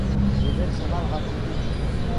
Je vais très mal raconter.